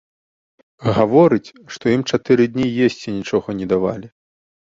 Гаворыць, што ім чатыры дні есці нічога не давалі.